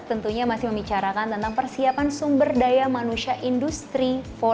tentunya masih membicarakan tentang persiapan sumber daya manusia industri empat